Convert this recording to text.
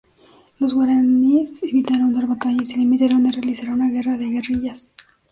Los guaraníes evitaron dar batalla y se limitaron a realizar una guerra de guerrillas.